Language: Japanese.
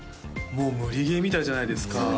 もう無理ゲーみたいじゃないですか